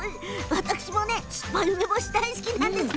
私も酸っぱい梅干し大好きなんです。